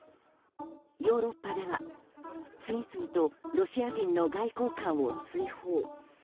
ヨーロッパでは次々とロシア人の外交官を追放。